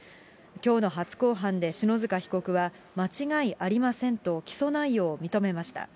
きょうの初公判で篠塚被告は、間違いありませんと起訴内容を認めました。